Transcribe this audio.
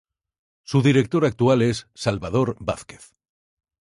Su director actual es Salvador Vázquez.